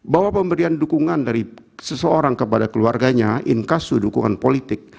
bahwa pemberian dukungan dari seseorang kepada keluarganya incusu dukungan politik